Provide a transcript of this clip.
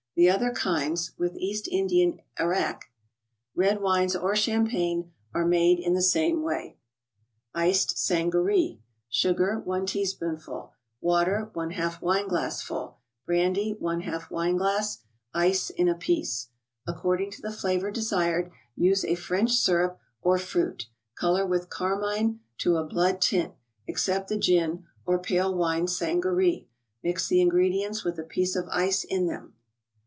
The other kinds, with East Indian arrack, red wines or champagne, are made in the same way. 9!ceu ^augaree. Sugar, i teaspoonful. Water, Yz wineglassful. Brandy, Yz wineglass. Ice in a piece. According to the flavor desired, use a French syrup or fruit; color with carmine to a blood tint, except the gin, or pale wine sangaree. Mix the ingredients with a piece of ice in them.